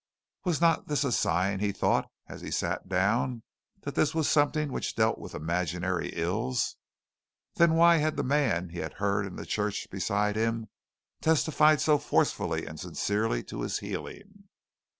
Was not this a sign, he thought as he sat down, that this was something which dealt with imaginary ills? Then why had the man he had heard in the church beside him testified so forcibly and sincerely to his healing?